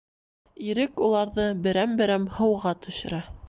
Ирек уларҙы берәм-берәм һыуға төшөрә.